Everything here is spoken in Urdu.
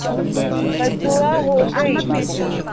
بدعا ہو گئی